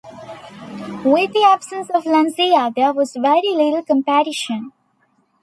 With the absence of Lancia, there was very little competition.